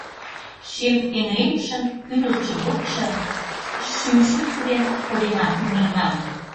Шем эҥыремышын кӱрылтшӧ вотшо,— Шӱм шӱртӧ ден кылдена ӱмырнам.